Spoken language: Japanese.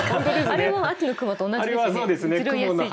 あれも秋の雲と同じですよね。